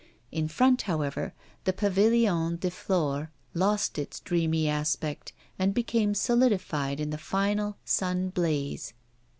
In front, however, the Pavillon de Flore lost its dreamy aspect, and became solidified in the final sun blaze.